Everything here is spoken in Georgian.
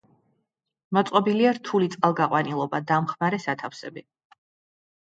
მოწყობილია რთული წყალგაყვანილობა, დამხმარე სათავსები.